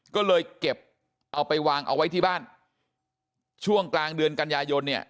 ก็เลยเก็บเอาไปวางเอาไว้ที่บ้านช่วงกลางเดือนกันยายนเนี่ย